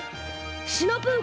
シナプー